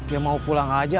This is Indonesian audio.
ya mau pulang aja